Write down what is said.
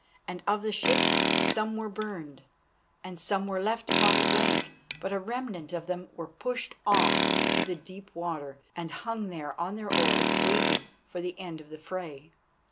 And of the ships, some were burned and some were left upon the bank. But a remnant of them were pushed off into the deep water, and hung there on their oars waiting for the end of the fray.